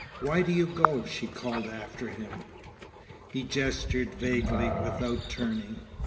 "Why do you go?" she called after him. He gestured vaguely, without turning.